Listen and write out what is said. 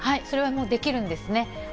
それもできるんですね。